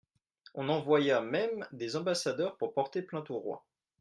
On envoya même des ambassadeurs pour porter plainte au roi.